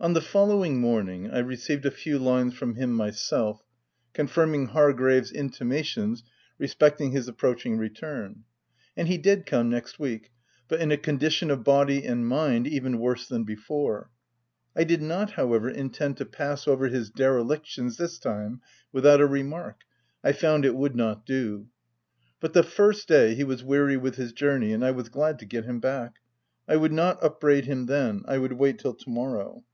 On the following morning, I received a few lines from him myself, confirming Hargrave*s intima tions respecting his approaching return. And he did come next week, but in a condition of body and mind even worse than before. I did not however intend to pass over his derelictions this time without a remark ;— I found it would not do. But the first day, he was weary with his journey, and I was glad to get him back : I would not upbraid him then ; I would wait till to morrow.